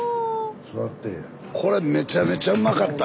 スタジオこれめちゃめちゃうまかった！